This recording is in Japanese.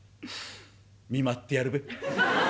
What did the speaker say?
見舞ってやるべ。